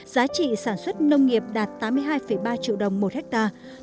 giá trị sản xuất nông nghiệp đạt tám mươi hai ba triệu đồng một hectare